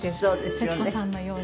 徹子さんのように。